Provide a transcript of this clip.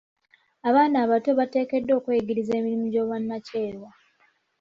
Abaana abato bateekeddwa okwenyigira mirimu egy'obwannakyewa.